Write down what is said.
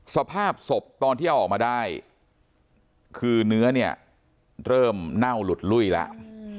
สภาพศพตอนที่เอาออกมาได้คือเนื้อเนี่ยเริ่มเน่าหลุดลุ้ยแล้ว